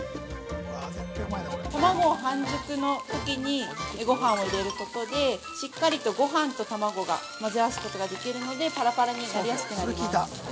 ◆卵を半熟のときにごはんを入れることで、しっかりとごはんと卵が混ぜ合わすことができるので、パラパラになりやすくなります。